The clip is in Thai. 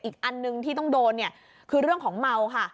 อีกอันหนึ่งที่ต้องโดนเนี่ยคือเรื่องของเมาค่ะ